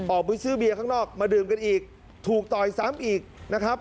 ออกไปซื้อเบียร์ข้างนอกมาดื่มกันอีกถูกต่อยซ้ำอีกนะครับ